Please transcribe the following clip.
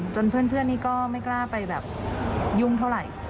เพื่อนนี้ก็ไม่กล้าไปแบบยุ่งเท่าไหร่